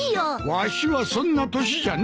わしはそんな年じゃない！